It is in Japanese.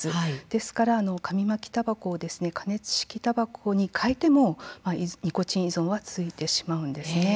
ですから、紙巻きたばこを加熱式たばこに変えてもニコチン依存は続いてしまうんですね。